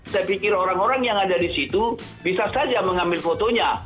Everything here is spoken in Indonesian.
saya pikir orang orang yang ada di situ bisa saja mengambil fotonya